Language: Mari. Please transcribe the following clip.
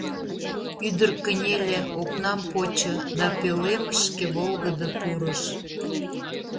Ӱдыр кынеле, окнам почо да пӧлемышке волгыдо пурыш.